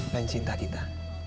dan cinta kita